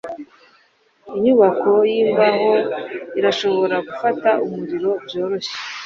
Inyubako yimbaho irashobora gufata umuriro byoroshye.